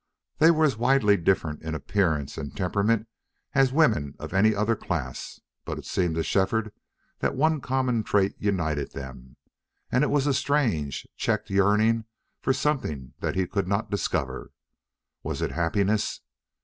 They were as widely different in appearance and temperament as women of any other class, but it seemed to Shefford that one common trait united them and it was a strange, checked yearning for something that he could not discover. Was it happiness?